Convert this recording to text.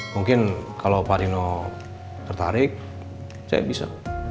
mungkin kalau pak dino tertarik saya bisa